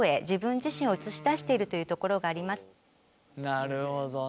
なるほどね。